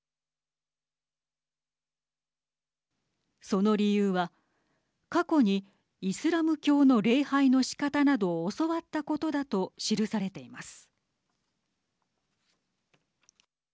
その理由は過去にイスラム教の礼拝のしかたなどを教わったことだと記されています。